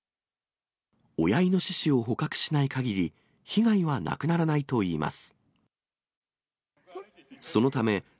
親イノシシを捕獲しないかぎり、被害はなくならないといいます。